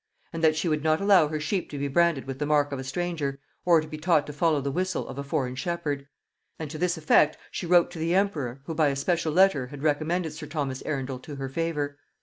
And that she would not allow her sheep to be branded with the mark of a stranger, or be taught to follow the whistle of a foreign shepherd. And to this effect she wrote to the emperor, who by a special letter had recommended sir Thomas Arundel to her favor.